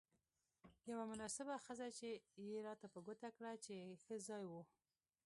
یوه مناسبه خزه يې راته په ګوته کړه، چې ښه ځای وو.